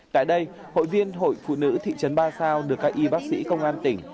tại đây hội viên hội phụ nữ thị trấn ba sao được các y bác sĩ công an tỉnh